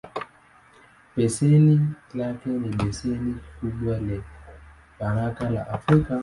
Beseni lake ni beseni kubwa le bara la Afrika.